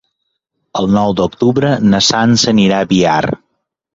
El nou d'octubre na Sança anirà a Biar.